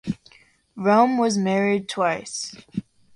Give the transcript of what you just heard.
Rome was married twice.